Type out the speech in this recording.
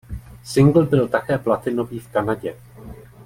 Singl byl také platinový v Kanadě.